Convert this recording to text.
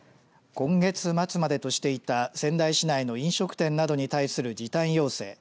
今月末までとしていた仙台市内の飲食店などに対する時短要請